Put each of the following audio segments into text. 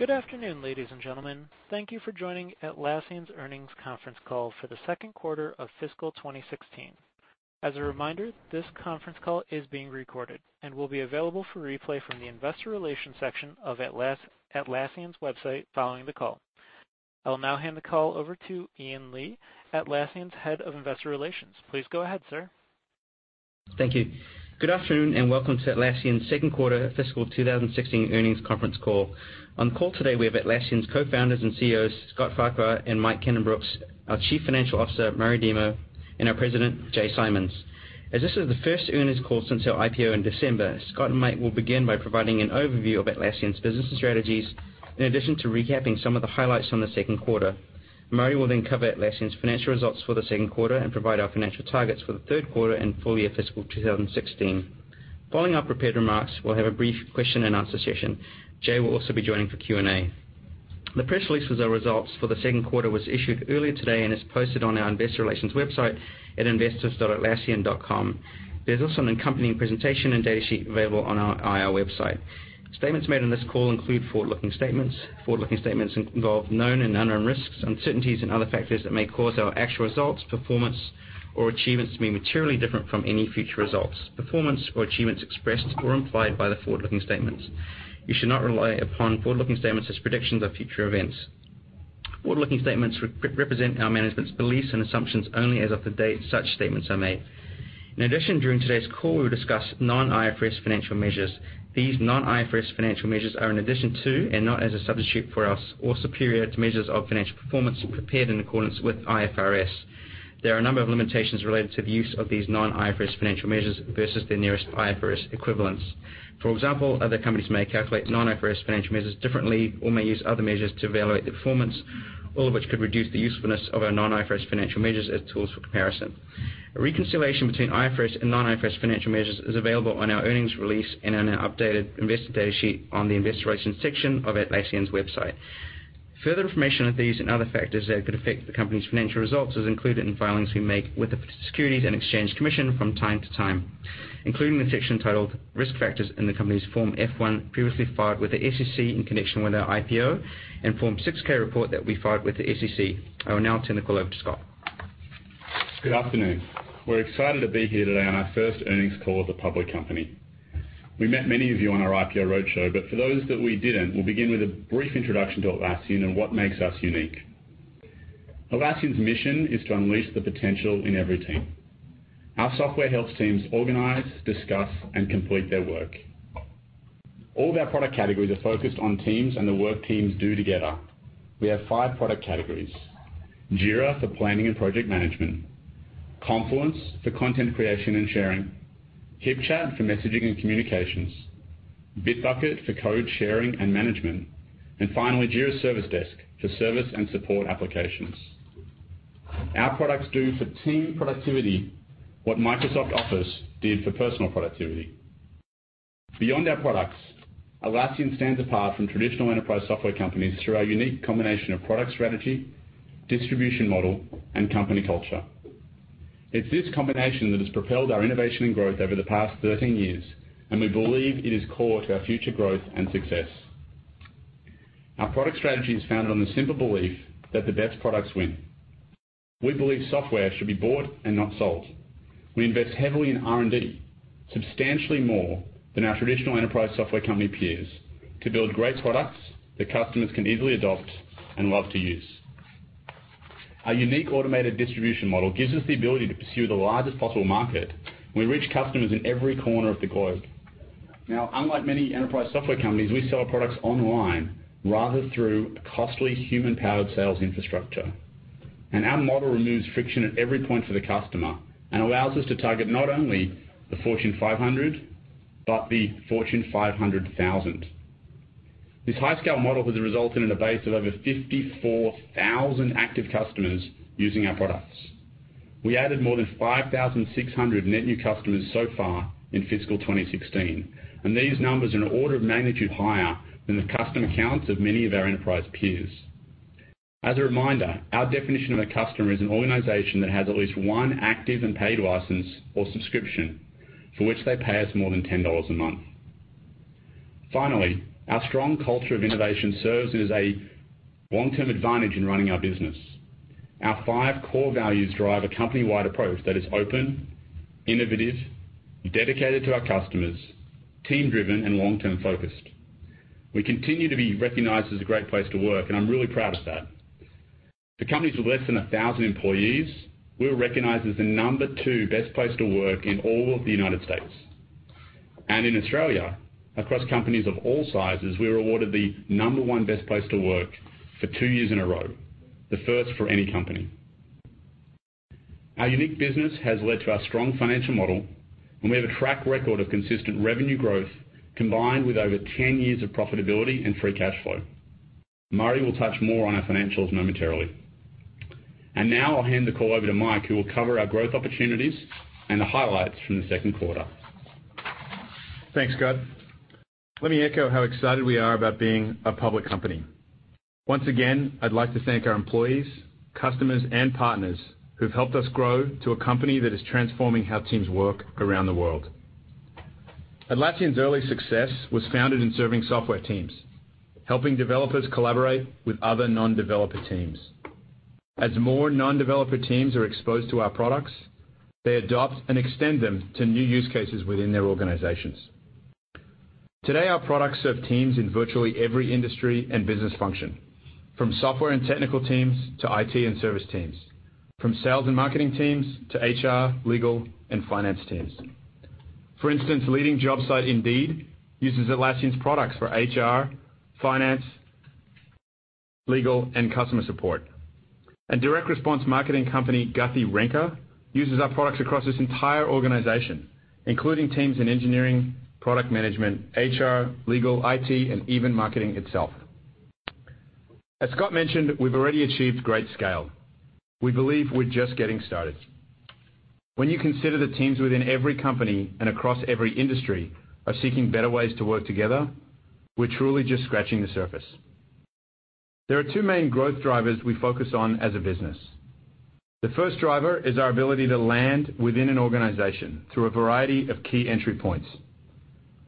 Good afternoon, ladies and gentlemen. Thank you for joining Atlassian's earnings conference call for the second quarter of fiscal 2016. As a reminder, this conference call is being recorded and will be available for replay from the investor relations section of atlassian.com following the call. I will now hand the call over to Ian Lee, Atlassian's Head of Investor Relations. Please go ahead, sir. Thank you. Good afternoon, and welcome to Atlassian's second quarter fiscal 2016 earnings conference call. On the call today, we have Atlassian's co-founders and CEOs, Scott Farquhar and Mike Cannon-Brookes, our Chief Financial Officer, Murray Demo, and our President, Jay Simons. As this is the first earnings call since our IPO in December, Scott and Mike will begin by providing an overview of Atlassian's business strategies, in addition to recapping some of the highlights on the second quarter. Murray will then cover Atlassian's financial results for the second quarter and provide our financial targets for the third quarter and full year fiscal 2016. Following our prepared remarks, we'll have a brief question and answer session. Jay will also be joining for Q&A. The press release with our results for the second quarter was issued earlier today and is posted on our investor relations website at investors.atlassian.com. There's also an accompanying presentation and data sheet available on our IR website. Statements made on this call include forward-looking statements. Forward-looking statements involve known and unknown risks, uncertainties and other factors that may cause our actual results, performance, or achievements to be materially different from any future results, performance or achievements expressed or implied by the forward-looking statements. You should not rely upon forward-looking statements as predictions of future events. Forward-looking statements represent our management's beliefs and assumptions only as of the date such statements are made. During today's call, we'll discuss non-IFRS financial measures. These non-IFRS financial measures are in addition to, and not as a substitute for, or superior to measures of financial performance prepared in accordance with IFRS. There are a number of limitations related to the use of these non-IFRS financial measures versus their nearest IFRS equivalents. Other companies may calculate non-IFRS financial measures differently or may use other measures to evaluate their performance, all of which could reduce the usefulness of our non-IFRS financial measures as tools for comparison. A reconciliation between IFRS and non-IFRS financial measures is available on our earnings release and in our updated investor data sheet on the investor relations section of atlassian.com. Further information of these and other factors that could affect the company's financial results is included in filings we make with the Securities and Exchange Commission from time to time, including the section titled Risk Factors in the company's Form F-1, previously filed with the SEC in connection with our IPO, and Form 6-K report that we filed with the SEC. I will now turn the call over to Scott. Good afternoon. We're excited to be here today on our first earnings call as a public company. We met many of you on our IPO roadshow, but for those that we didn't, we'll begin with a brief introduction to Atlassian and what makes us unique. Atlassian's mission is to unleash the potential in every team. Our software helps teams organize, discuss, and complete their work. All of our product categories are focused on teams and the work teams do together. We have five product categories. Jira for planning and project management, Confluence for content creation and sharing, HipChat for messaging and communications, Bitbucket for code sharing and management, and finally, Jira Service Desk for service and support applications. Our products do for team productivity what Microsoft Office did for personal productivity. Beyond our products, Atlassian stands apart from traditional enterprise software companies through our unique combination of product strategy, distribution model, and company culture. It's this combination that has propelled our innovation and growth over the past 13 years, and we believe it is core to our future growth and success. Our product strategy is founded on the simple belief that the best products win. We believe software should be bought and not sold. We invest heavily in R&D, substantially more than our traditional enterprise software company peers, to build great products that customers can easily adopt and love to use. Our unique automated distribution model gives us the ability to pursue the largest possible market. We reach customers in every corner of the globe. Unlike many enterprise software companies, we sell our products online rather through a costly human-powered sales infrastructure. Our model removes friction at every point for the customer and allows us to target not only the Fortune 500, but the Fortune 500,000. This high-scale model has resulted in a base of over 54,000 active customers using our products. We added more than 5,600 net new customers so far in fiscal 2016, and these numbers are an order of magnitude higher than the customer counts of many of our enterprise peers. As a reminder, our definition of a customer is an organization that has at least one active and paid license or subscription for which they pay us more than $10 a month. Finally, our strong culture of innovation serves as a long-term advantage in running our business. Our five core values drive a company-wide approach that is open, innovative, dedicated to our customers, team-driven, and long-term focused. We continue to be recognized as a great place to work, and I'm really proud of that. For companies with less than 1,000 employees, we were recognized as the number two best place to work in all of the U.S. In Australia, across companies of all sizes, we were awarded the number one best place to work for two years in a row, the first for any company. Our unique business has led to our strong financial model, and we have a track record of consistent revenue growth combined with over 10 years of profitability and free cash flow. Murray will touch more on our financials momentarily. Now I'll hand the call over to Mike, who will cover our growth opportunities and the highlights from the second quarter. Thanks, Scott. Let me echo how excited we are about being a public company. Once again, I'd like to thank our employees, customers, and partners who've helped us grow to a company that is transforming how teams work around the world. Atlassian's early success was founded in serving software teams, helping developers collaborate with other non-developer teams. As more non-developer teams are exposed to our products, they adopt and extend them to new use cases within their organizations. Today, our products serve teams in virtually every industry and business function, from software and technical teams, to IT and service teams, from sales and marketing teams, to HR, legal, and finance teams. For instance, leading job site Indeed uses Atlassian's products for HR, finance, legal, and customer support. A direct response marketing company, Guthy-Renker, uses our products across its entire organization, including teams in engineering, product management, HR, legal, IT, and even marketing itself. As Scott mentioned, we've already achieved great scale. We believe we're just getting started. When you consider the teams within every company and across every industry are seeking better ways to work together, we're truly just scratching the surface. There are two main growth drivers we focus on as a business. The first driver is our ability to land within an organization through a variety of key entry points.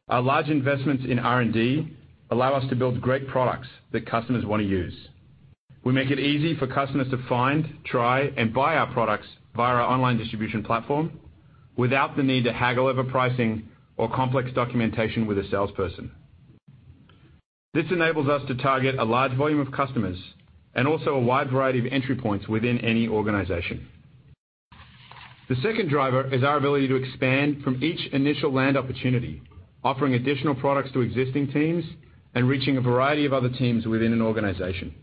Our large investments in R&D allow us to build great products that customers want to use. We make it easy for customers to find, try, and buy our products via our online distribution platform without the need to haggle over pricing or complex documentation with a salesperson. This enables us to target a large volume of customers and also a wide variety of entry points within any organization. The second driver is our ability to expand from each initial land opportunity, offering additional products to existing teams and reaching a variety of other teams within an organization.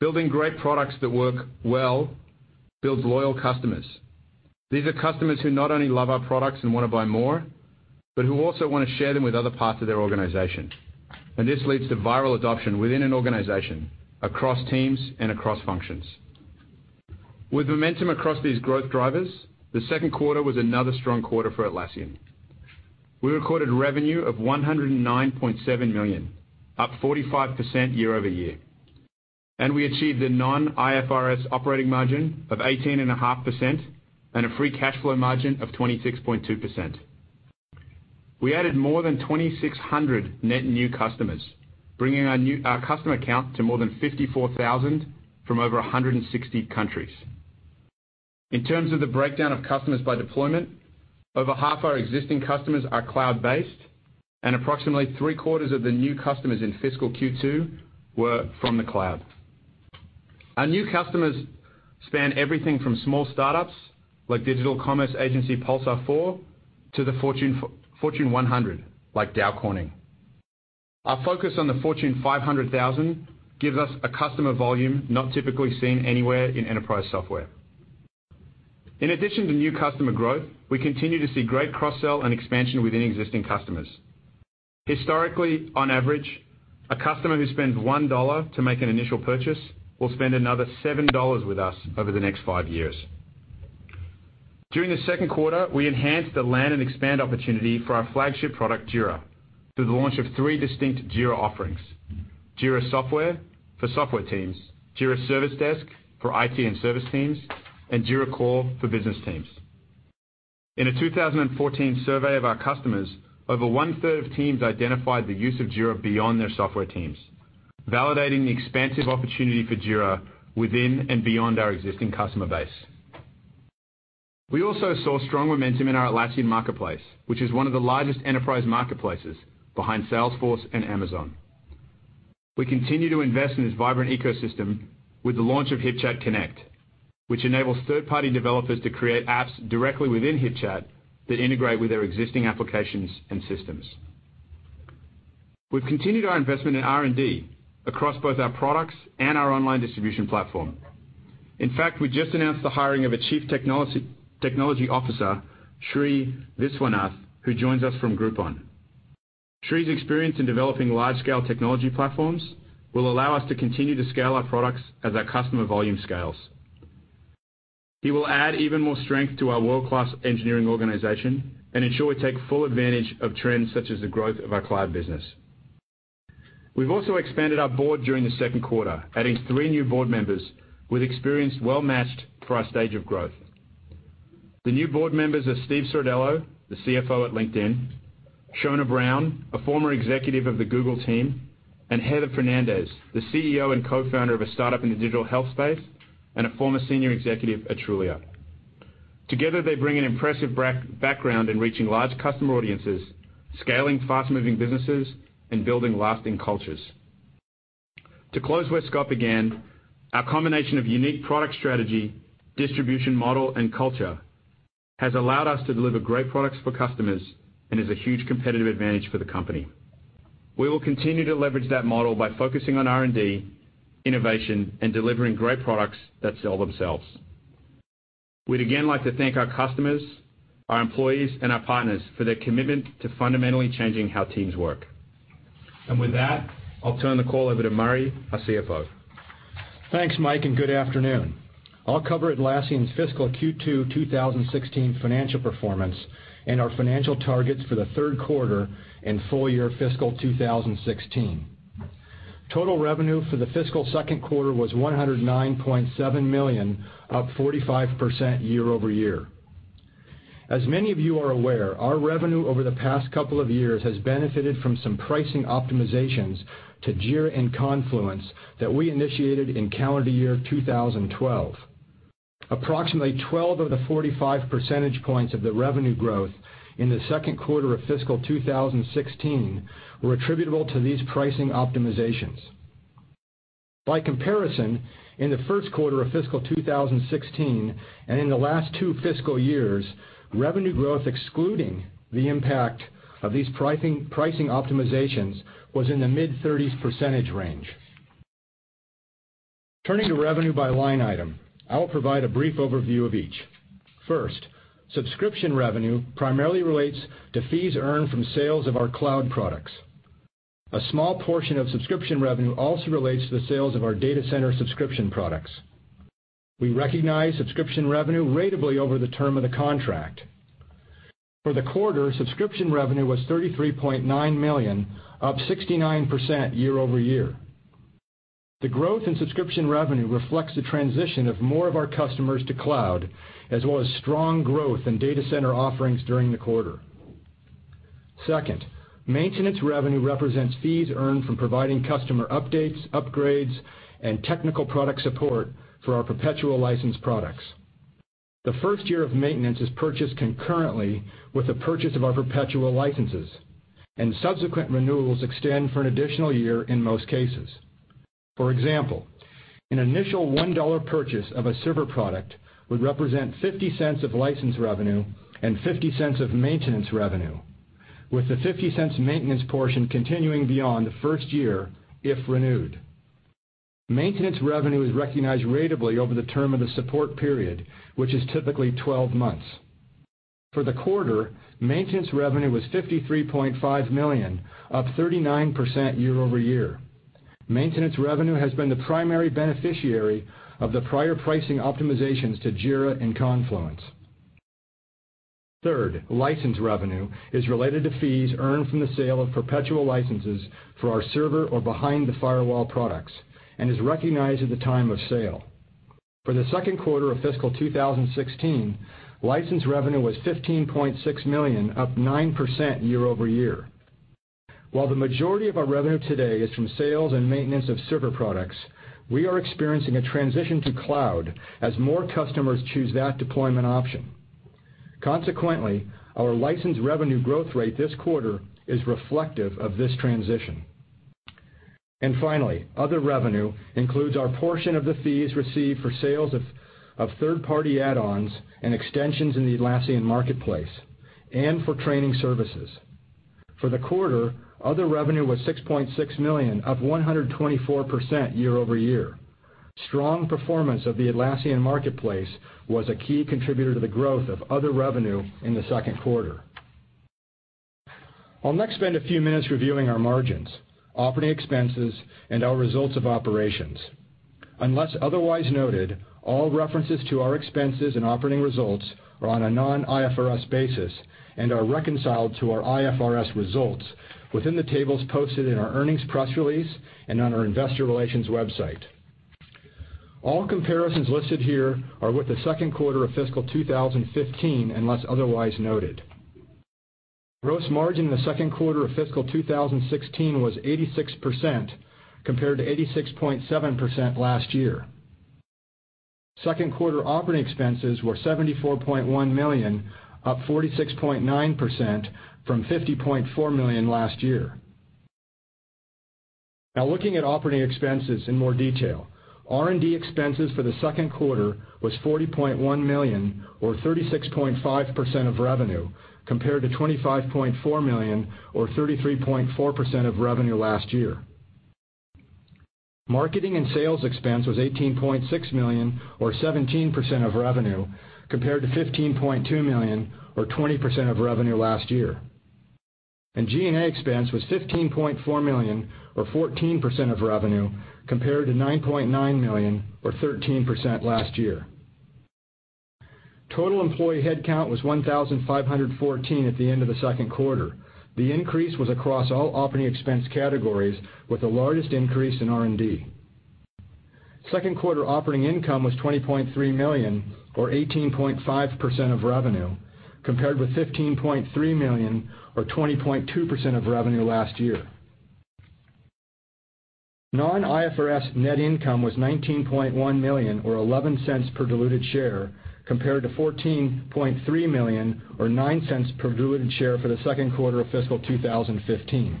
Building great products that work well builds loyal customers. These are customers who not only love our products and want to buy more, but who also want to share them with other parts of their organization. This leads to viral adoption within an organization, across teams, and across functions. With momentum across these growth drivers, the second quarter was another strong quarter for Atlassian. We recorded revenue of $109.7 million, up 45% year-over-year. We achieved a non-IFRS operating margin of 18.5% and a free cash flow margin of 26.2%. We added more than 2,600 net new customers, bringing our customer count to more than 54,000 from over 160 countries. In terms of the breakdown of customers by deployment, over half our existing customers are cloud-based, and approximately three-quarters of the new customers in fiscal Q2 were from the cloud. Our new customers span everything from small startups like digital commerce agency Pulsar, to the Fortune 100, like Dow Corning. Our focus on the Fortune 500,000 gives us a customer volume not typically seen anywhere in enterprise software. In addition to new customer growth, we continue to see great cross-sell and expansion within existing customers. Historically, on average, a customer who spends $1 to make an initial purchase will spend another $7 with us over the next five years. During the second quarter, we enhanced the land and expand opportunity for our flagship product, Jira, through the launch of three distinct Jira offerings, Jira Software for software teams, Jira Service Desk for IT and service teams, and Jira Core for business teams. In a 2014 survey of our customers, over one-third of teams identified the use of Jira beyond their software teams, validating the expansive opportunity for Jira within and beyond our existing customer base. We also saw strong momentum in our Atlassian Marketplace, which is one of the largest enterprise marketplaces behind Salesforce and Amazon. We continue to invest in this vibrant ecosystem with the launch of HipChat Connect, which enables third-party developers to create apps directly within HipChat that integrate with their existing applications and systems. We've continued our investment in R&D across both our products and our online distribution platform. In fact, we just announced the hiring of a Chief Technology Officer, Sri Viswanath, who joins us from Groupon. Sri's experience in developing large-scale technology platforms will allow us to continue to scale our products as our customer volume scales. He will add even more strength to our world-class engineering organization and ensure we take full advantage of trends such as the growth of our cloud business. We've also expanded our board during the second quarter, adding three new board members with experience well-matched for our stage of growth. The new board members are Steve Sordello, the CFO at LinkedIn, Shona Brown, a former executive of the Google team, and Heather Fernandez, the CEO and co-founder of a startup in the digital health space and a former senior executive at Trulia. Together, they bring an impressive background in reaching large customer audiences, scaling fast-moving businesses, and building lasting cultures. To close where Scott began, our combination of unique product strategy, distribution model, and culture has allowed us to deliver great products for customers and is a huge competitive advantage for the company. We will continue to leverage that model by focusing on R&D, innovation, and delivering great products that sell themselves. We'd again like to thank our customers, our employees, and our partners for their commitment to fundamentally changing how teams work. With that, I'll turn the call over to Murray, our CFO. Thanks, Mike, and good afternoon. I'll cover Atlassian's fiscal Q2 2016 financial performance and our financial targets for the third quarter and full year fiscal 2016. Total revenue for the fiscal second quarter was $109.7 million, up 45% year-over-year. As many of you are aware, our revenue over the past couple of years has benefited from some pricing optimizations to Jira and Confluence that we initiated in calendar year 2012. Approximately 12 of the 45 percentage points of the revenue growth in the second quarter of fiscal 2016 were attributable to these pricing optimizations. By comparison, in the first quarter of fiscal 2016, and in the last two fiscal years, revenue growth excluding the impact of these pricing optimizations, was in the mid-30s percentage range. Turning to revenue by line item, I will provide a brief overview of each. First, subscription revenue primarily relates to fees earned from sales of our cloud products. A small portion of subscription revenue also relates to the sales of our data center subscription products. We recognize subscription revenue ratably over the term of the contract. For the quarter, subscription revenue was $33.9 million, up 69% year-over-year. The growth in subscription revenue reflects the transition of more of our customers to cloud, as well as strong growth in data center offerings during the quarter. Second, maintenance revenue represents fees earned from providing customer updates, upgrades, and technical product support for our perpetual license products. The first year of maintenance is purchased concurrently with the purchase of our perpetual licenses, and subsequent renewals extend for an additional year in most cases. For example, an initial $1 purchase of a server product would represent $0.50 of license revenue and $0.50 of maintenance revenue, with the $0.50 maintenance portion continuing beyond the first year, if renewed. Maintenance revenue is recognized ratably over the term of the support period, which is typically 12 months. For the quarter, maintenance revenue was $53.5 million, up 39% year-over-year. Maintenance revenue has been the primary beneficiary of the prior pricing optimizations to Jira and Confluence. Third, license revenue is related to fees earned from the sale of perpetual licenses for our server or behind the firewall products and is recognized at the time of sale. For the second quarter of fiscal 2016, license revenue was $15.6 million, up 9% year-over-year. While the majority of our revenue today is from sales and maintenance of server products, we are experiencing a transition to cloud as more customers choose that deployment option. Consequently, our license revenue growth rate this quarter is reflective of this transition. Finally, other revenue includes our portion of the fees received for sales of third-party add-ons and extensions in the Atlassian Marketplace and for training services. For the quarter, other revenue was $6.6 million, up 124% year-over-year. Strong performance of the Atlassian Marketplace was a key contributor to the growth of other revenue in the second quarter. I'll next spend a few minutes reviewing our margins, operating expenses, and our results of operations. Unless otherwise noted, all references to our expenses and operating results are on a non-IFRS basis and are reconciled to our IFRS results within the tables posted in our earnings press release and on our investor relations website. All comparisons listed here are with the second quarter of fiscal 2015, unless otherwise noted. Gross margin in the second quarter of fiscal 2016 was 86%, compared to 86.7% last year. Second quarter operating expenses were $74.1 million, up 46.9%, from $50.4 million last year. Looking at operating expenses in more detail. R&D expenses for the second quarter was $40.1 million, or 36.5% of revenue, compared to $25.4 million or 33.4% of revenue last year. Marketing and sales expense was $18.6 million, or 17% of revenue, compared to $15.2 million, or 20% of revenue last year. G&A expense was $15.4 million, or 14% of revenue, compared to $9.9 million, or 13%, last year. Total employee headcount was 1,514 at the end of the second quarter. The increase was across all operating expense categories, with the largest increase in R&D. Second quarter operating income was $20.3 million, or 18.5% of revenue, compared with $15.3 million, or 20.2% of revenue last year. Non-IFRS net income was $19.1 million, or $0.11 per diluted share, compared to $14.3 million, or $0.09 per diluted share for the second quarter of fiscal 2015.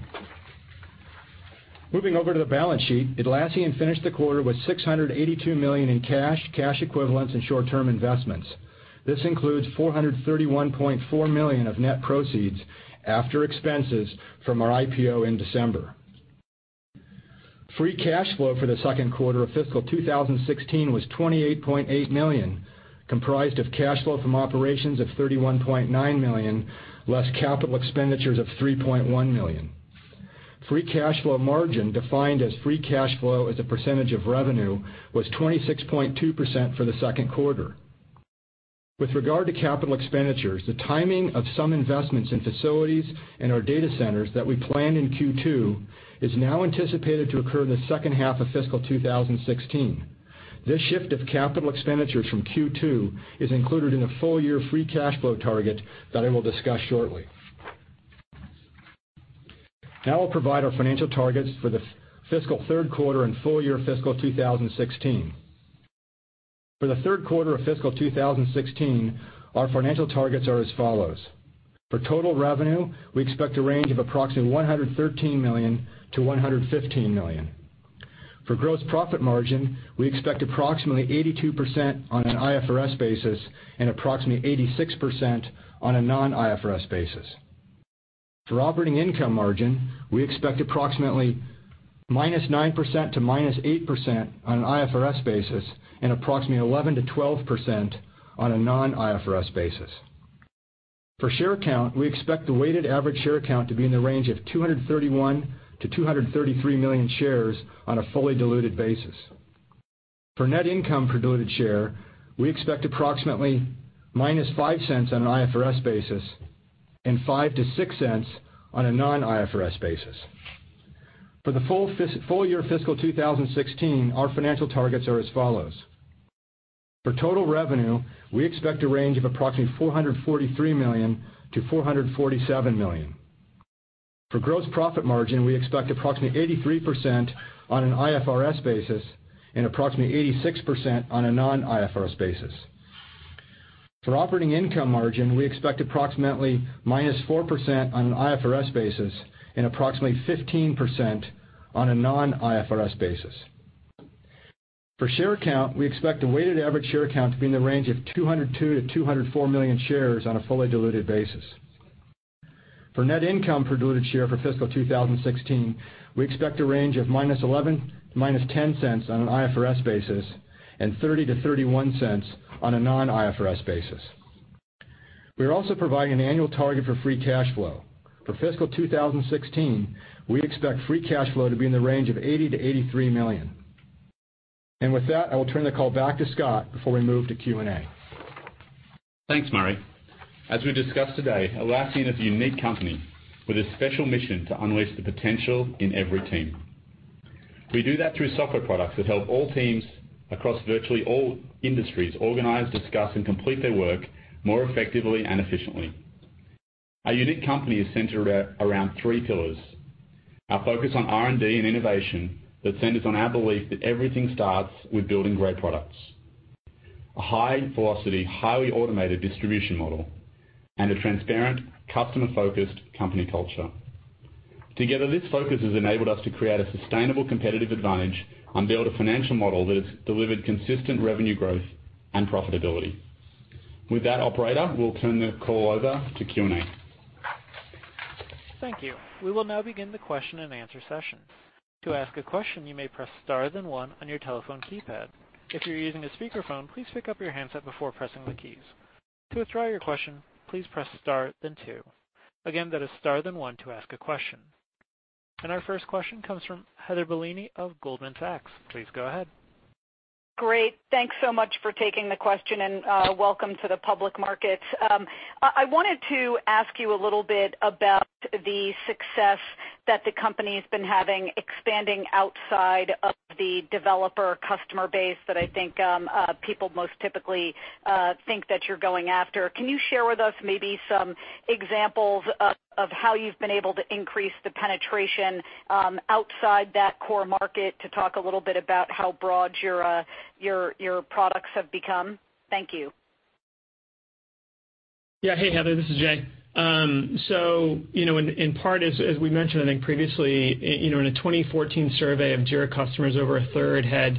Moving over to the balance sheet, Atlassian finished the quarter with $682 million in cash equivalents, and short-term investments. This includes $431.4 million of net proceeds after expenses from our IPO in December. Free cash flow for the second quarter of fiscal 2016 was $28.8 million, comprised of cash flow from operations of $31.9 million, less capital expenditures of $3.1 million. Free cash flow margin, defined as free cash flow as a percentage of revenue, was 26.2% for the second quarter. With regard to capital expenditures, the timing of some investments in facilities and our data centers that we planned in Q2 is now anticipated to occur in the second half of fiscal 2016. This shift of capital expenditures from Q2 is included in the full-year free cash flow target that I will discuss shortly. I'll provide our financial targets for the fiscal third quarter and full-year fiscal 2016. For the third quarter of fiscal 2016, our financial targets are as follows. For total revenue, we expect a range of approximately $113 million-$115 million. For gross profit margin, we expect approximately 82% on an IFRS basis and approximately 86% on a non-IFRS basis. For operating income margin, we expect approximately -9% to -8% on an IFRS basis and approximately 11%-12% on a non-IFRS basis. For share count, we expect the weighted average share count to be in the range of 231 million-233 million shares on a fully diluted basis. For net income per diluted share, we expect approximately -$0.05 on an IFRS basis and $0.05-$0.06 on a non-IFRS basis. For the full-year fiscal 2016, our financial targets are as follows. For total revenue, we expect a range of approximately $443 million-$447 million. For gross profit margin, we expect approximately 83% on an IFRS basis and approximately 86% on a non-IFRS basis. For operating income margin, we expect approximately -4% on an IFRS basis and approximately 15% on a non-IFRS basis. For share count, we expect the weighted average share count to be in the range of 202 million-204 million shares on a fully diluted basis. For net income per diluted share for fiscal 2016, we expect a range of -$0.11 to -$0.10 on an IFRS basis, and $0.30-$0.31 on a non-IFRS basis. We are also providing an annual target for free cash flow. For fiscal 2016, we expect free cash flow to be in the range of $80 million-$83 million. With that, I will turn the call back to Scott before we move to Q&A. Thanks, Murray. As we discussed today, Atlassian is a unique company with a special mission to unleash the potential in every team. We do that through software products that help all teams across virtually all industries organize, discuss, and complete their work more effectively and efficiently. Our unique company is centered around three pillars. Our focus on R&D and innovation that's centered on our belief that everything starts with building great products, a high-velocity, highly automated distribution model, and a transparent, customer-focused company culture. Together, this focus has enabled us to create a sustainable competitive advantage and build a financial model that has delivered consistent revenue growth and profitability. With that, operator, we'll turn the call over to Q&A. Thank you. We will now begin the question and answer session. To ask a question, you may press star, then one on your telephone keypad. If you're using a speakerphone, please pick up your handset before pressing the keys. To withdraw your question, please press star, then two. Again, that is star, then one to ask a question. Our first question comes from Heather Bellini of Goldman Sachs. Please go ahead. Great. Thanks so much for taking the question, and welcome to the public market. I wanted to ask you a little bit about the success that the company's been having expanding outside of the developer customer base that I think people most typically think that you're going after. Can you share with us maybe some examples of how you've been able to increase the penetration outside that core market to talk a little bit about how broad your products have become? Thank you. Yeah. Hey, Heather. This is Jay. In part, as we mentioned, I think previously, in a 2014 survey of Jira customers, over a third had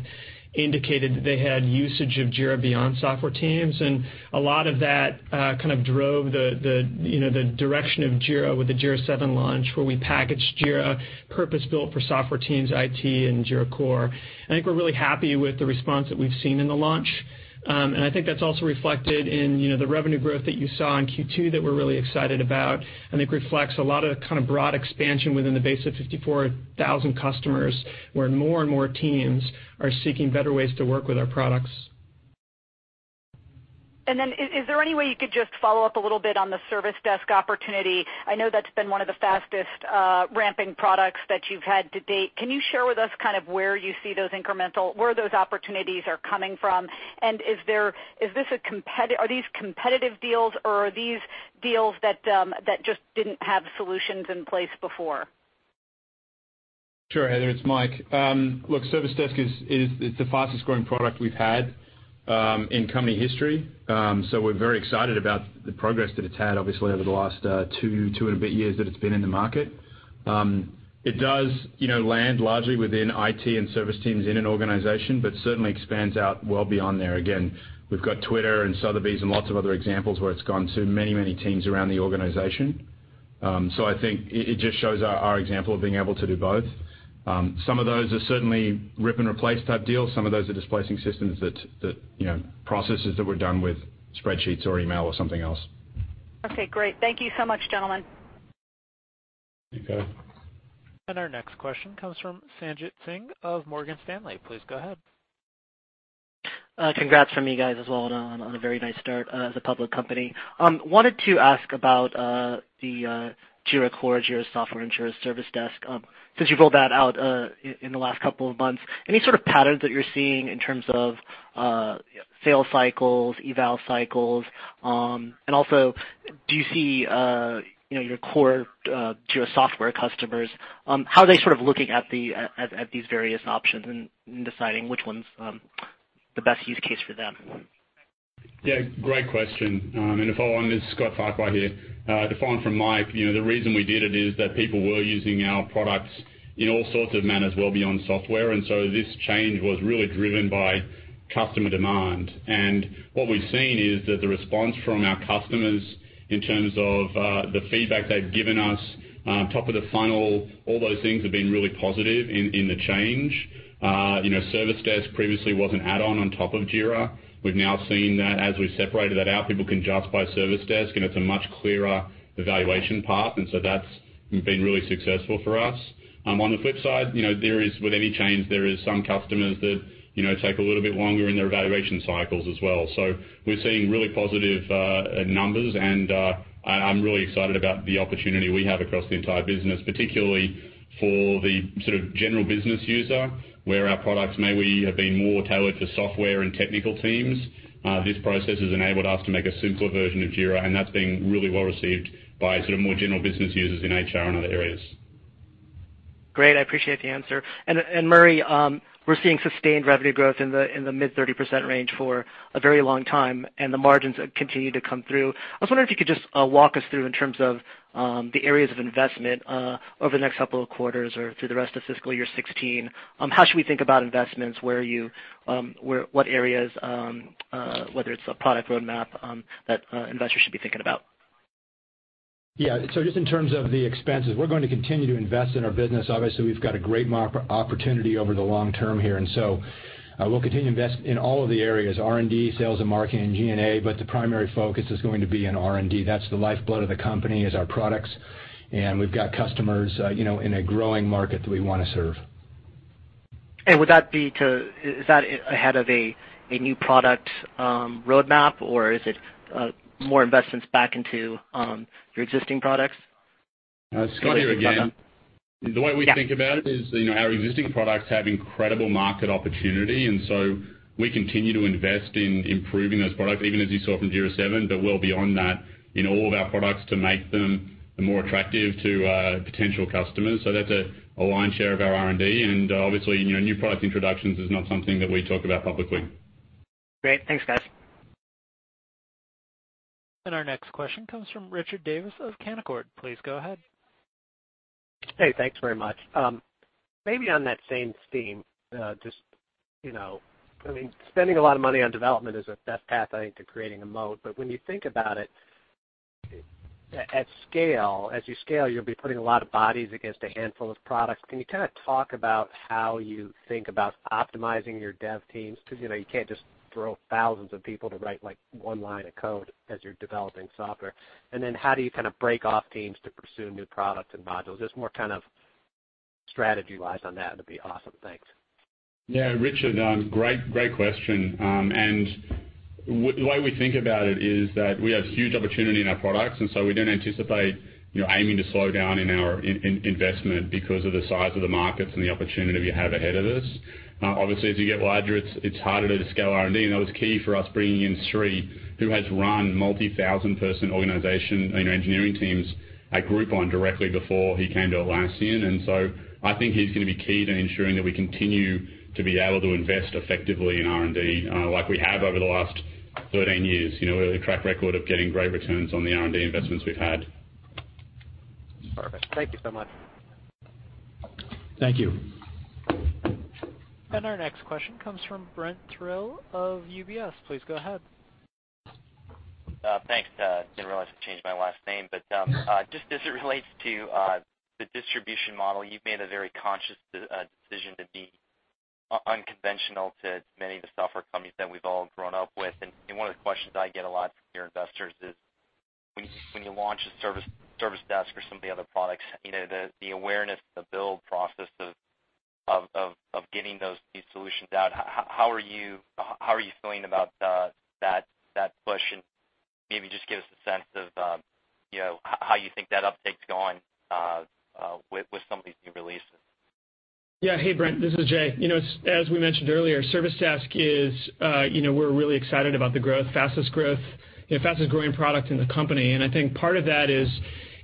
indicated that they had usage of Jira beyond software teams, and a lot of that kind of drove the direction of Jira with the Jira 7 launch, where we packaged Jira purpose-built for software teams, IT, and Jira Core. I think we're really happy with the response that we've seen in the launch. That's also reflected in the revenue growth that you saw in Q2 that we're really excited about and I think reflects a lot of broad expansion within the base of 54,000 customers, where more and more teams are seeking better ways to work with our products. Is there any way you could just follow up a little bit on the Service Desk opportunity? I know that's been one of the fastest ramping products that you've had to date. Can you share with us kind of where you see those incremental where those opportunities are coming from? Are these competitive deals, or are these deals that just didn't have solutions in place before? Sure, Heather, it's Mike. Look, Service Desk is the fastest-growing product we've had in company history. We're very excited about the progress that it's had, obviously, over the last two and a bit years that it's been in the market. It does land largely within IT and service teams in an organization, but certainly expands out well beyond there. Again, we've got Twitter and Sotheby's and lots of other examples where it's gone to many teams around the organization. I think it just shows our example of being able to do both. Some of those are certainly rip-and-replace type deals. Some of those are displacing systems that processes that were done with spreadsheets or email or something else. Okay, great. Thank you so much, gentlemen. Okay. Our next question comes from Sanjit Singh of Morgan Stanley. Please go ahead. Congrats from me, guys, as well on a very nice start as a public company. Wanted to ask about the Jira Core, Jira Software, and Jira Service Desk, since you've rolled that out in the last couple of months. Any sort of patterns that you're seeing in terms of sales cycles, eval cycles? Also, do you see your core Jira Software customers, how are they looking at these various options and deciding which one's the best use case for them? Yeah, great question. To follow on, this is Scott Farquhar here. To follow on from Mike, the reason we did it is that people were using our products in all sorts of manners well beyond software, this change was really driven by customer demand. What we've seen is that the response from our customers in terms of the feedback they've given us, top of the funnel, all those things have been really positive in the change. Service Desk previously was an add-on on top of Jira. We've now seen that as we've separated that out, people can just buy Service Desk and it's a much clearer evaluation path. That's been really successful for us. On the flip side, with any change, there is some customers that take a little bit longer in their evaluation cycles as well. We're seeing really positive numbers, and I'm really excited about the opportunity we have across the entire business, particularly for the general business user. Where our products maybe have been more tailored to software and technical teams, this process has enabled us to make a simpler version of Jira, and that's been really well received by more general business users in HR and other areas. Murray, we're seeing sustained revenue growth in the mid-30% range for a very long time, and the margins continue to come through. I was wondering if you could just walk us through in terms of the areas of investment over the next couple of quarters or through the rest of fiscal year 2016. How should we think about investments? What areas, whether it's a product roadmap, that investors should be thinking about? Just in terms of the expenses, we're going to continue to invest in our business. Obviously, we've got a great opportunity over the long term here, we'll continue to invest in all of the areas, R&D, sales and marketing, G&A, the primary focus is going to be on R&D. That's the lifeblood of the company is our products, we've got customers in a growing market that we want to serve. Is that ahead of a new product roadmap, or is it more investments back into your existing products? Scott here again. The way we think about it is our existing products have incredible market opportunity, we continue to invest in improving those products, even as you saw from Jira 7, well beyond that in all of our products to make them more attractive to potential customers. That's a lion's share of our R&D. Obviously, new product introductions is not something that we talk about publicly. Great. Thanks, guys. Our next question comes from Richard Davis of Canaccord. Please go ahead. Hey, thanks very much. Maybe on that same theme, just spending a lot of money on development is the best path, I think, to creating a moat. When you think about it, at scale, as you scale, you'll be putting a lot of bodies against a handful of products. Can you talk about how you think about optimizing your dev teams? Because you can't just throw thousands of people to write one line of code as you're developing software. Then how do you break off teams to pursue new products and modules? Just more strategy-wise on that would be awesome. Thanks. Yeah, Richard, great question. The way we think about it is that we have huge opportunity in our products, so we don't anticipate aiming to slow down in our investment because of the size of the markets and the opportunity we have ahead of us. Obviously, as you get larger, it's harder to scale R&D, and that was key for us bringing in Sri, who has run multi-thousand-person organization in engineering teams at Groupon directly before he came to Atlassian. So I think he's going to be key to ensuring that we continue to be able to invest effectively in R&D like we have over the last 13 years. We have a track record of getting great returns on the R&D investments we've had. Perfect. Thank you so much. Thank you. Our next question comes from Brent Thill of UBS. Please go ahead. Thanks. Didn't realize it changed my last name. Just as it relates to the distribution model, you've made a very conscious decision to be unconventional to many of the software companies that we've all grown up with. One of the questions I get a lot from peer investors is when you launch a Service Desk or some of the other products, the awareness, the build process of getting these solutions out, how are you feeling about that push? Maybe just give us a sense of how you think that uptake's going with some of these new releases. Yeah. Hey, Brent. This is Jay. As we mentioned earlier, Service Desk, we're really excited about the growth, fastest growing product in the company. I think part of that is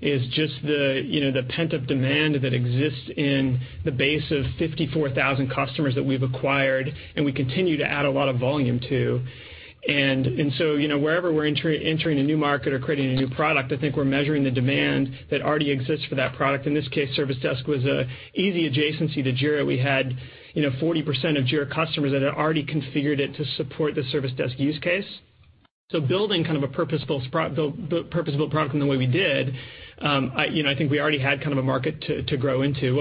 just the pent-up demand that exists in the base of 54,000 customers that we've acquired and we continue to add a lot of volume to. Wherever we're entering a new market or creating a new product, I think we're measuring the demand that already exists for that product. In this case, Service Desk was an easy adjacency to Jira. We had 40% of Jira customers that had already configured it to support the Service Desk use case. Building a purpose-built product in the way we did, I think we already had a market to grow into.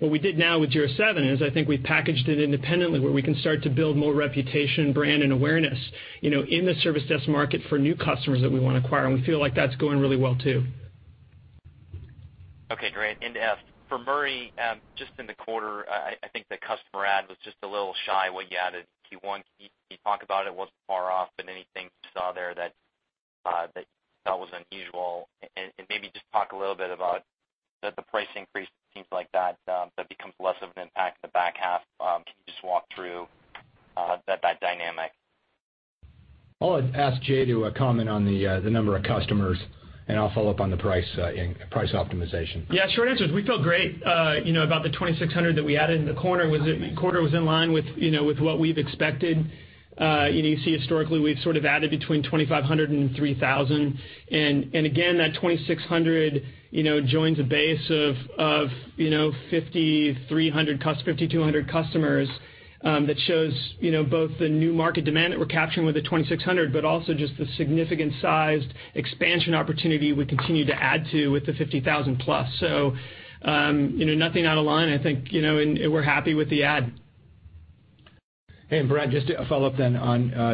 What we did now with Jira 7 is I think we packaged it independently where we can start to build more reputation, brand, and awareness in the Service Desk market for new customers that we want to acquire, and we feel like that's going really well, too. Okay, great. For Murray, just in the quarter, I think the customer add was just a little shy what you added Q1. Can you talk about it? It wasn't far off, but anything you saw there that you thought was unusual, and maybe just talk a little bit about the price increase and things like that becomes less of an impact in the back half. Can you just walk through that dynamic? I'll ask Jay to comment on the number of customers, and I'll follow up on the price optimization. Short answer is we feel great about the 2,600 that we added in the quarter. The quarter was in line with what we've expected. You see historically, we've sort of added between 2,500 and 3,000. Again, that 2,600 joins a base of 5,200 customers that shows both the new market demand that we're capturing with the 2,600, but also just the significant sized expansion opportunity we continue to add to with the 50,000 plus. Nothing out of line, I think, and we're happy with the add. Brent, just to follow up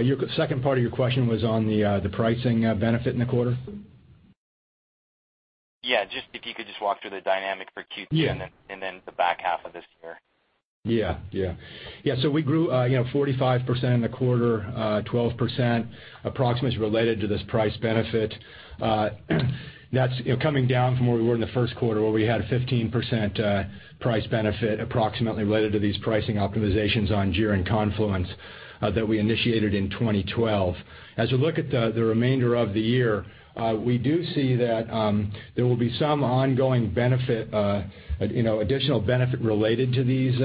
your second part of your question was on the pricing benefit in the quarter? If you could just walk through the dynamic for Q2. Yeah the back half of this year. Yeah. We grew 45% in the quarter, 12% approximately related to this price benefit. That's coming down from where we were in the first quarter, where we had a 15% price benefit approximately related to these pricing optimizations on Jira and Confluence that we initiated in 2012. As you look at the remainder of the year, we do see that there will be some ongoing benefit, additional benefit related to these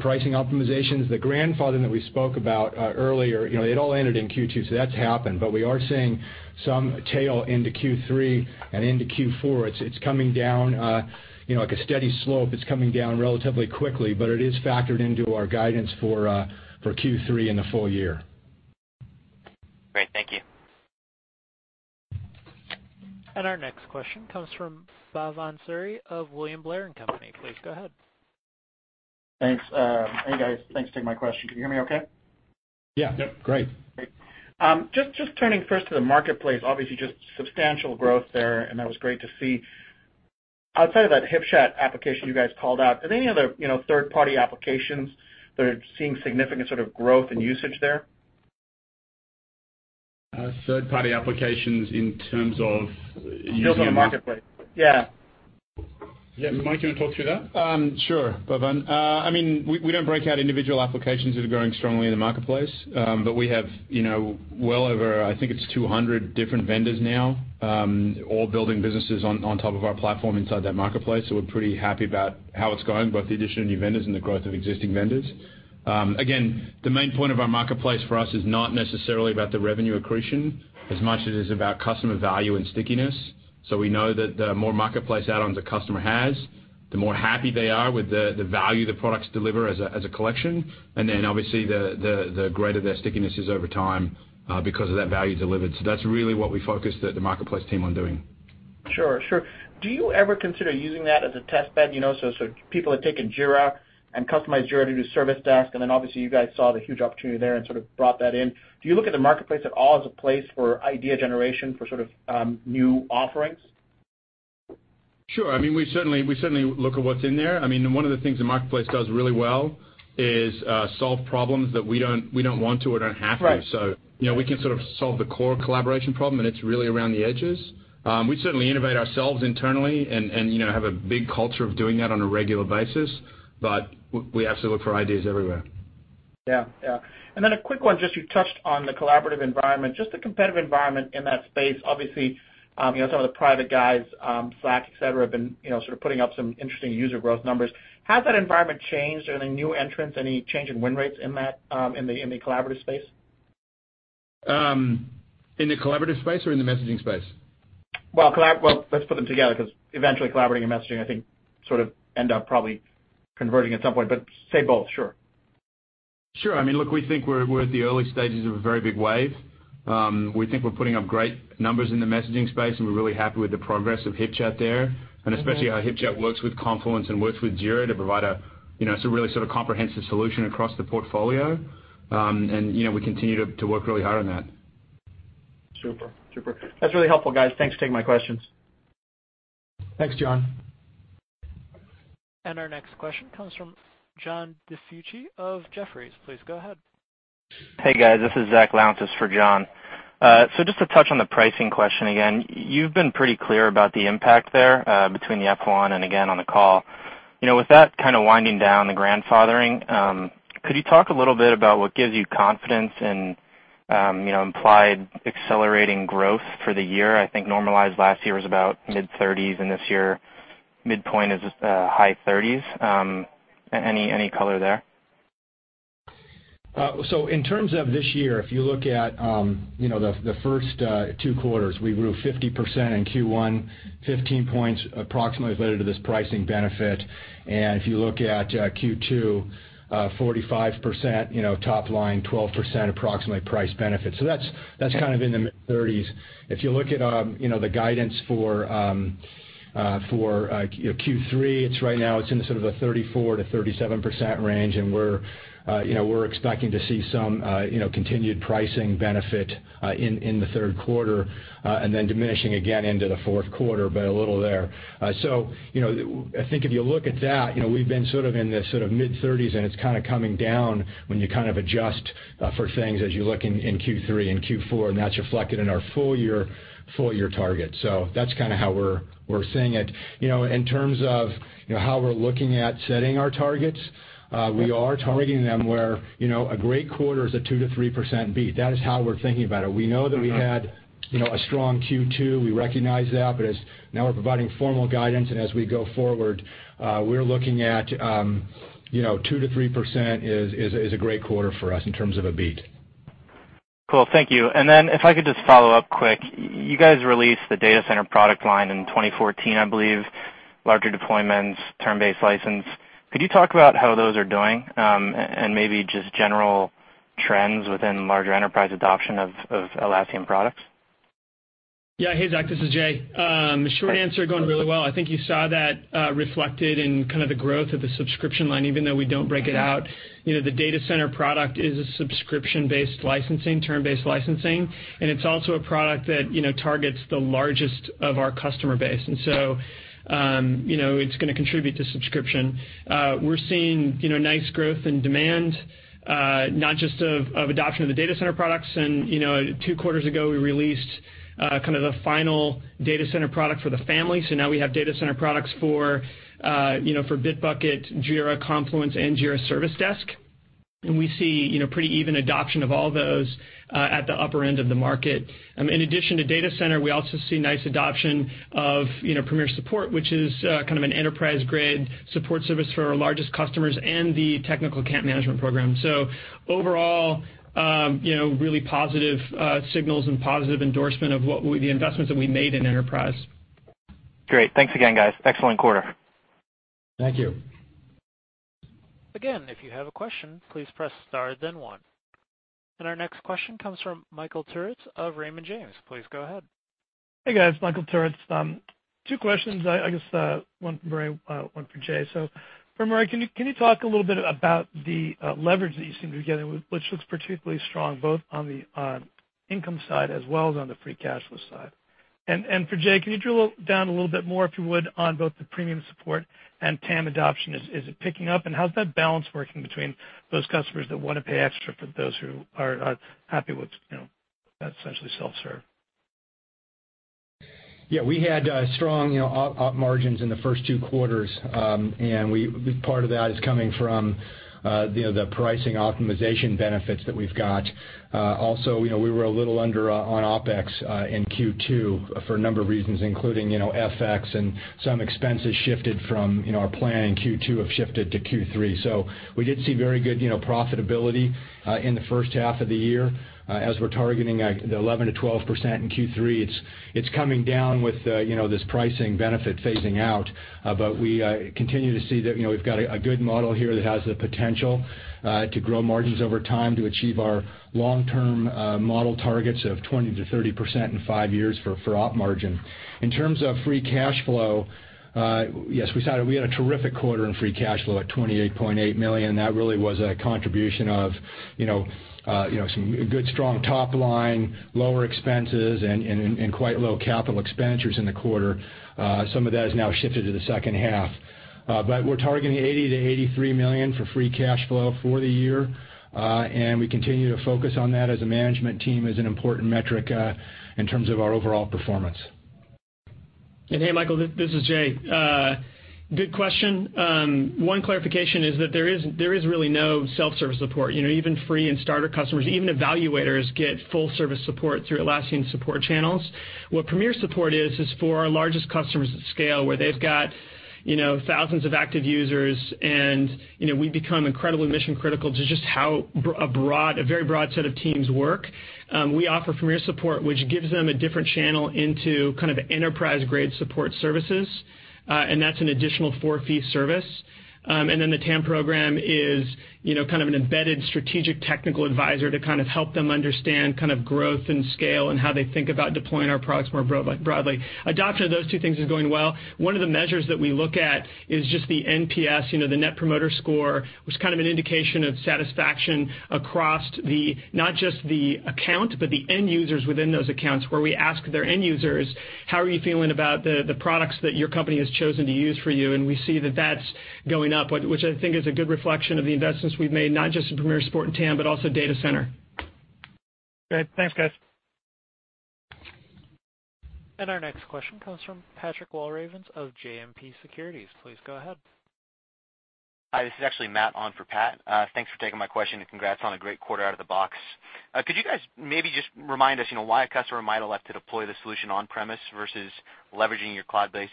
pricing optimizations. The grandfathering that we spoke about earlier, it all ended in Q2, so that's happened, but we are seeing some tail into Q3 and into Q4. It's coming down like a steady slope. It's coming down relatively quickly, but it is factored into our guidance for Q3 and the full year. Great. Thank you. Our next question comes from Bhavan Suri of William Blair & Company. Please go ahead. Thanks. Hey, guys. Thanks for taking my question. Can you hear me okay? Yeah. Yep. Great. Great. Just turning first to the marketplace, obviously just substantial growth there, and that was great to see. Outside of that HipChat application you guys called out, are there any other third-party applications that are seeing significant sort of growth and usage there? Third-party applications in terms of using our mark- Just on the marketplace. Yeah. Yeah. Mike, you want to talk through that? Sure, Bhavan. We don't break out individual applications that are growing strongly in the marketplace. We have well over, I think it's 200 different vendors now, all building businesses on top of our platform inside that marketplace. We're pretty happy about how it's going, both the addition of new vendors and the growth of existing vendors. Again, the main point of our marketplace for us is not necessarily about the revenue accretion as much as it is about customer value and stickiness. We know that the more marketplace add-ons a customer has, the more happy they are with the value the products deliver as a collection. Obviously, the greater their stickiness is over time because of that value delivered. That's really what we focus the marketplace team on doing. Sure. Do you ever consider using that as a test bed? People have taken Jira and customized Jira to do Service Desk, obviously you guys saw the huge opportunity there and sort of brought that in. Do you look at the marketplace at all as a place for idea generation for sort of new offerings? Sure. We certainly look at what's in there. One of the things the marketplace does really well is solve problems that we don't want to or don't have to. Right. We can sort of solve the core collaboration problem, it's really around the edges. We certainly innovate ourselves internally and have a big culture of doing that on a regular basis, we absolutely look for ideas everywhere. Yeah. A quick one, just you touched on the collaborative environment, just the competitive environment in that space. Obviously, some of the private guys, Slack, et cetera, have been sort of putting up some interesting user growth numbers. Has that environment changed? Are there any new entrants, any change in win rates in the collaborative space? In the collaborative space or in the messaging space? Well, let's put them together because eventually collaborating and messaging, I think sort of end up probably converting at some point, but say both. Sure. Sure. Look, we think we're at the early stages of a very big wave. We think we're putting up great numbers in the messaging space, and we're really happy with the progress of HipChat there. Okay. Especially how HipChat works with Confluence and works with Jira to provide a really sort of comprehensive solution across the portfolio. We continue to work really hard on that. Super. That's really helpful, guys. Thanks for taking my questions. Thanks, Bhavan. Our next question comes from John DiFucci of Jefferies. Please go ahead. Hey, guys. This is Zach Lountzis for John. Just to touch on the pricing question again, you've been pretty clear about the impact there, between the F1 and again on the call. With that kind of winding down, the grandfathering, could you talk a little bit about what gives you confidence in implied accelerating growth for the year? I think normalized last year was about mid-30s, and this year, midpoint is high 30s. Any color there? In terms of this year, if you look at the first two quarters, we grew 50% in Q1, 15 points approximately related to this pricing benefit. If you look at Q2, 45% top line, 12% approximately price benefit. That's kind of in the mid-30s. If you look at the guidance for Q3, right now it's in sort of a 34%-37% range, and we're expecting to see some continued pricing benefit in the third quarter, and then diminishing again into the fourth quarter by a little there. I think if you look at that, we've been sort of in the mid-30s, and it's kind of coming down when you kind of adjust for things as you look in Q3 and Q4, and that's reflected in our full year targets. That's kind of how we're seeing it. In terms of how we're looking at setting our targets, we are targeting them where a great quarter is a 2%-3% beat. That is how we're thinking about it. We know that we had a strong Q2. We recognize that, but as now we're providing formal guidance, and as we go forward, we're looking at 2%-3% is a great quarter for us in terms of a beat. Cool. Thank you. Then if I could just follow up quick. You guys released the data center product line in 2014, I believe, larger deployments, term-based license. Could you talk about how those are doing? And maybe just general trends within larger enterprise adoption of Atlassian products. Yeah. Hey, Zach, this is Jay. Short answer, going really well. I think you saw that reflected in kind of the growth of the subscription line, even though we don't break it out. The data center product is a subscription-based licensing, term-based licensing, and it's also a product that targets the largest of our customer base. It's going to contribute to subscription. We're seeing nice growth and demand, not just of adoption of the data center products. Two quarters ago, we released kind of the final data center product for the family. Now we have data center products for Bitbucket, Jira, Confluence, and Jira Service Desk. We see pretty even adoption of all those at the upper end of the market. In addition to data center, we also see nice adoption of premier support, which is kind of an enterprise-grade support service for our largest customers and the Technical Account Management program. Overall, really positive signals and positive endorsement of the investments that we made in enterprise. Great. Thanks again, guys. Excellent quarter. Thank you. Again, if you have a question, please press star then one. Our next question comes from Michael Turits of Raymond James. Please go ahead. Hey, guys. Michael Turits. Two questions, I guess one for Murray, one for Jay. For Murray, can you drill down a little bit more, if you would, on both the premium support and TAM adoption? Is it picking up, and how's that balance working between those customers that want to pay extra for those who are happy with essentially self-serve? Yeah. We had strong Op margins in the first two quarters. Part of that is coming from the pricing optimization benefits that we've got. Also, we were a little under on OpEx in Q2 for a number of reasons, including FX and some expenses shifted from our plan in Q2 have shifted to Q3. We did see very good profitability in the first half of the year. As we're targeting the 11%-12% in Q3, it's coming down with this pricing benefit phasing out. We continue to see that we've got a good model here that has the potential to grow margins over time to achieve our long-term model targets of 20%-30% in five years for Op margin. In terms of free cash flow, yes, we had a terrific quarter in free cash flow at $28.8 million. That really was a contribution of some good strong top line, lower expenses, and quite low capital expenditures in the quarter. Some of that has now shifted to the second half. We're targeting $80 million-$83 million for free cash flow for the year. We continue to focus on that as a management team as an important metric in terms of our overall performance. Hey, Michael, this is Jay. Good question. One clarification is that there is really no self-service support. Even free and starter customers, even evaluators get full service support through Atlassian support channels. What premier support is for our largest customers at scale, where they've got thousands of active users, and we've become incredibly mission-critical to just how a very broad set of teams work. We offer premier support, which gives them a different channel into kind of enterprise-grade support services. That's an additional for-fee service. The TAM program is kind of an embedded strategic technical advisor to kind of help them understand growth and scale and how they think about deploying our products more broadly. Adoption of those two things is going well. One of the measures that we look at is just the NPS, the Net Promoter Score, which is kind of an indication of satisfaction across not just the account, but the end users within those accounts, where we ask their end users, "How are you feeling about the products that your company has chosen to use for you?" We see that that's going up, which I think is a good reflection of the investments we've made, not just in premier support and TAM, but also data center. Great. Thanks, guys. Our next question comes from Patrick Walravens of JMP Securities. Please go ahead. Hi. This is actually Matt on for Pat. Thanks for taking my question and congrats on a great quarter out of the box. Could you guys maybe just remind us why a customer might elect to deploy the solution on-premise versus leveraging your cloud-based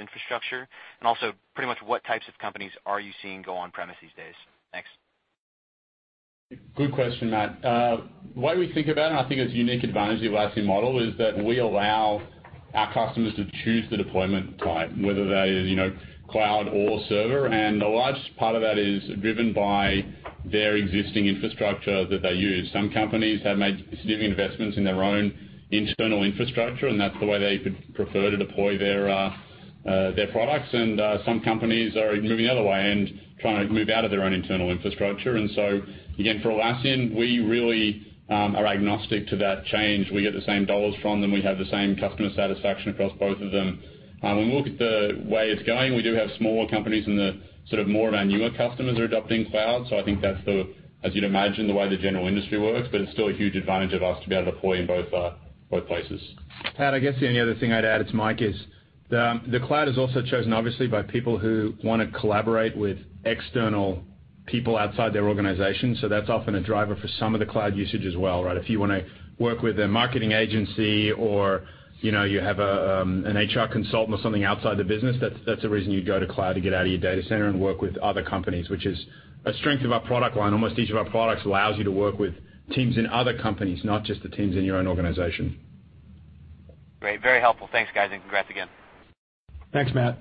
infrastructure? Also pretty much what types of companies are you seeing go on-premise these days? Thanks. Good question, Matt. The way we think about it, I think it's a unique advantage of the Atlassian model, is that we allow our customers to choose the deployment type, whether that is cloud or server. The largest part of that is driven by their existing infrastructure that they use. Some companies have made significant investments in their own internal infrastructure, and that's the way they could prefer to deploy their products. Some companies are moving the other way and trying to move out of their own internal infrastructure. Again, for Atlassian, we really are agnostic to that change. We get the same dollars from them. We have the same customer satisfaction across both of them. When we look at the way it's going, we do have smaller companies and the sort of more of our newer customers are adopting cloud. I think that's the, as you'd imagine, the way the general industry works, but it's still a huge advantage of us to be able to deploy in both places. Pat, I guess the only other thing I'd add to Mike is the cloud is also chosen obviously by people who want to collaborate with external people outside their organization. That's often a driver for some of the cloud usage as well, right? If you want to work with a marketing agency or you have an HR consultant or something outside the business, that's a reason you go to cloud to get out of your data center and work with other companies, which is a strength of our product line. Almost each of our products allows you to work with teams in other companies, not just the teams in your own organization. Great. Very helpful. Thanks, guys, Congrats again. Thanks, Matt.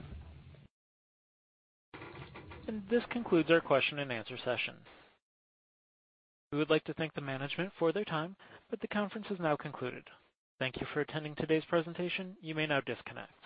This concludes our question and answer session. We would like to thank the management for their time, but the conference is now concluded. Thank you for attending today's presentation. You may now disconnect.